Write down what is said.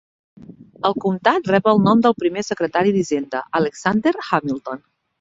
El comtat rep el nom del primer secretari d"hisenda, Alexander Hamilton.